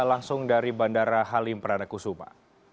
langsung dari bandara halim pranekusuma